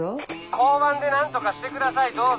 交番で何とかしてくださいどうぞ。